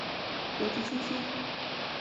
逻辑清晰！